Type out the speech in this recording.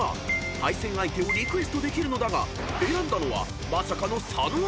対戦相手をリクエストできるのだが選んだのはまさかの佐野アナウンサー］